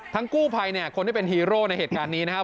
ทั้งกู้ภัยคนที่เป็นฮีโร่ในเหตุการณ์นี้นะครับ